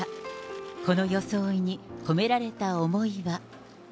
この装いに込められた思いは。